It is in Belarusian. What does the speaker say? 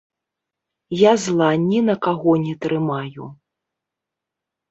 Я зла ні на каго не трымаю.